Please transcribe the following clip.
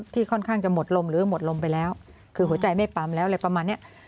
ค่อนข้างจะหมดลมหรือหมดลมไปแล้วคือหัวใจไม่ปั๊มแล้วอะไรประมาณเนี้ย